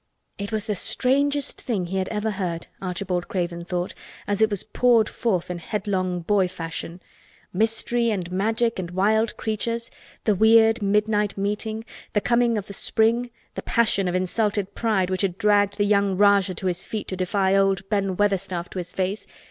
It was the strangest thing he had ever heard, Archibald Craven thought, as it was poured forth in headlong boy fashion. Mystery and Magic and wild creatures, the weird midnight meeting—the coming of the spring—the passion of insulted pride which had dragged the young Rajah to his feet to defy old Ben Weatherstaff to his face.